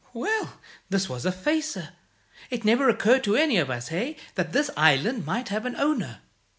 "Well, this was a facer. It never occurred to any of us eh? that this island might have an owner.